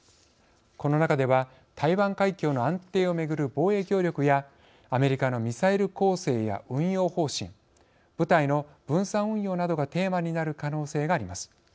この中では台湾海峡の安定をめぐる防衛協力やアメリカのミサイル構成や運用方針部隊の分散運用などがテーマになる可能性があります。